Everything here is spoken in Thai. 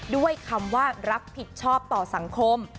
ด้วยคำว่ารับผิดชอบต่อสังคม